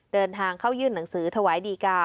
เดินทางเข้ายื่นหนังสือถวายดีกา